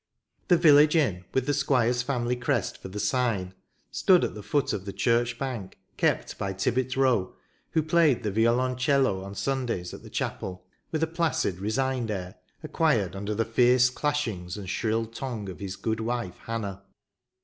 The village inn, with the Squire's family crest for the sign, stood at the foot of the church bank, kept by Tibbet Rowe, who played the violoncello on Sundays at the chapel, with a placid, resigned air, acquired under the fierce clashings and shrill tongue of his good wife Hannah.